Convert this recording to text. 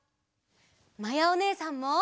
まやおねえさんも！